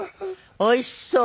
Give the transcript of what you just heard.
おいしそう。